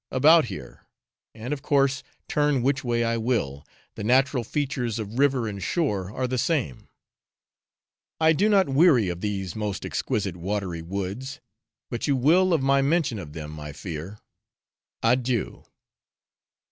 about here, and, of course, turn which way I will, the natural features of river and shore are the same. I do not weary of these most exquisite watery woods, but you will of my mention of them, I fear. Adieu.